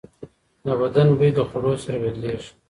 د بدن بوی د خوړو سره بدلېږي.